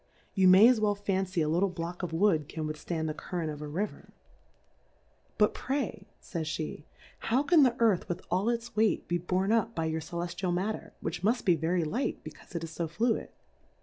You may as Well fancy a little Block of Wood can withltand the Current of a River. But C J pray, 50 Difcourfes on the pray, fays (he ^ how can the Earth with all its Weight be born up by your Cc leftial Matter, which muft be very light, becaufe it is fo fluid